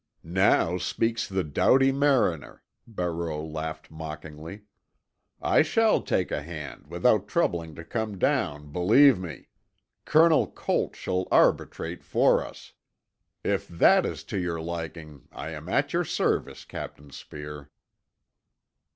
"Now speaks the doughty mariner," Barreau laughed mockingly. "I shall take a hand without troubling to come down, believe me. Colonel Colt shall arbitrate for us. If that is to your liking I am at your service, Captain Speer."